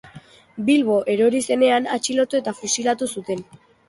Bilbo erori zenean atxilotu eta fusilatu zuten.